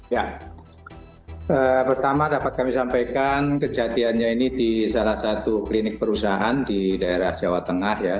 ya pertama dapat kami sampaikan kejadiannya ini di salah satu klinik perusahaan di daerah jawa tengah ya